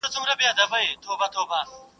بې دليله هېڅ هېواد وروسته پاته کېدای نشي.